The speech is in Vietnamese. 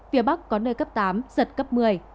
phía bắc có nơi cấp tám giật cấp một mươi